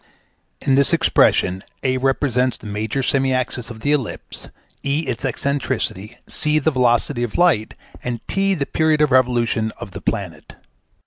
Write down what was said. In this expression a represents the major semi axis of the ellipse, e its eccentricity, c the velocity of light, and T the period of revolution of the planet.